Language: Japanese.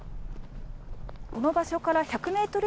この場所から１００メートル